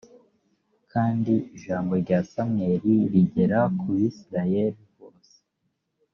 kandi ijambo rya samweli rigera ku bisirayeli bose